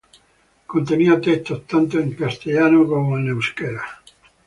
Contenía textos tanto en castellano como en euskera.